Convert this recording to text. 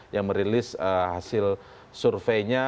yang merilis hasil surveinya